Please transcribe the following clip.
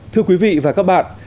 thưa quý vị và các bạn